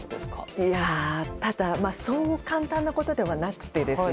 いやあただそう簡単なことではなくてですね。